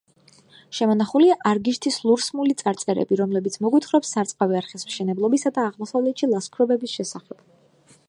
შემონახულია არგიშთის ლურსმული წარწერები, რომლებიც მოგვითხრობს სარწყავი არხის მშენებლობისა და აღმოსავლეთში ლაშქრობების შესახებ.